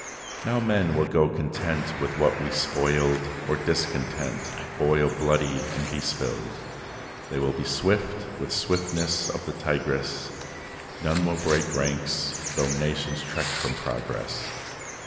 Now men will go content with what we spoiled, Or, discontent, boil bloody, and be spilled. They will be swift, with swiftness of the tigress. None will break ranks, though nations trek from progress.